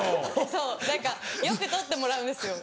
そう何かよく取ってもらうんですよ。